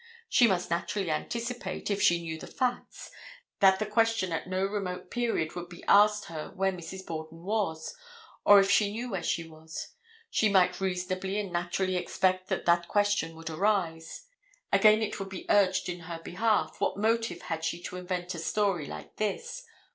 She must naturally anticipate, if she knew the facts, that the question at no remote period would be asked her where Mrs. Borden was, or if she knew where she was. She might reasonably and naturally expect that that question would arise. Again, it would be urged in her behalf, what motive had she to invent a story like this?